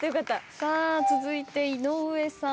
続いて井上さん。